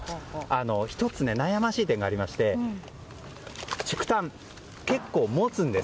１つ、悩ましい点がありまして竹炭、結構持つんです。